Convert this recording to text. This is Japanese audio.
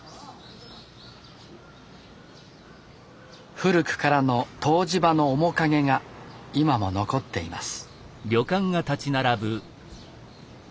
古くからの湯治場の面影が今も残っています。